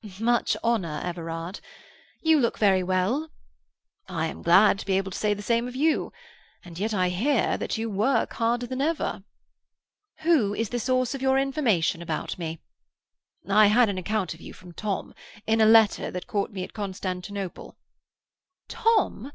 "Much honour, Everard. You look very well." "I am glad to be able to say the same of you. And yet I hear that you work harder than ever." "Who is the source of your information about me?" "I had an account of you from Tom, in a letter that caught me at Constantinople." "Tom?